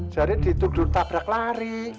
jadi dituduh tabrak lari